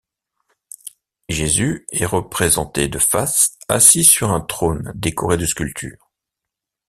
Jésus est représente de face, assis sur un trône décoré de sculptures.